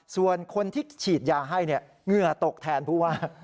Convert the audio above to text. ส่วนคนที่ฉีดยาให้เหงื่อตกแทนผู้ว่า